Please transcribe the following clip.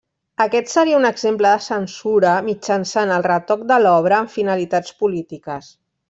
Aquest seria un exemple de censura mitjançant el retoc de l'obra amb finalitats polítiques.